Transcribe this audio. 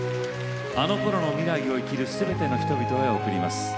あのころの未来を生きるすべての人々へ贈ります。